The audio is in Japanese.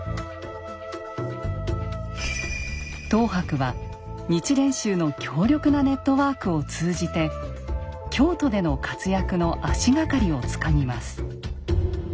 等伯は日蓮宗の強力なネットワークを通じて京都での活躍の足がかりをつかみます。